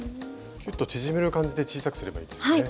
キュッと縮める感じで小さくすればいいですね。